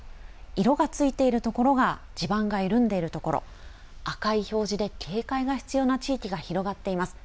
色がついている所が地盤が緩んでいるところ、赤い表示で警戒が必要な地域が広がっています。